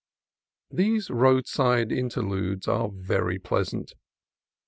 These road side interludes are very pleasant.